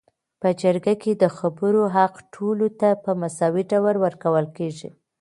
په جرګه کي د خبرو حق ټولو ته په مساوي ډول ورکول کيږي